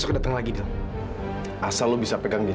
saya tidak tahu apa yang kamu katakan